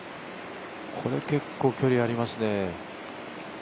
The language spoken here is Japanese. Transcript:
これ結構距離ありますね。